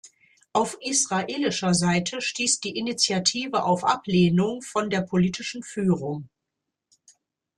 Auf israelischer Seite stieß diese Initiative auf Ablehnung von der politischen Führung.